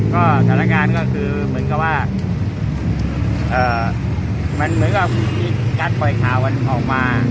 ก็สถานการณ์ก็คือเหมือนกับว่ามันเหมือนกับมีการปล่อยข่าวกันออกมา